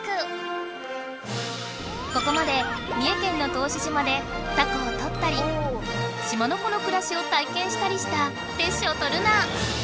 ここまで三重県の答志島でタコをとったり島の子のくらしを体験したりしたテッショウとルナ。